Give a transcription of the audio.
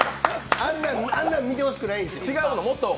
あんな見てほしくないんですよ。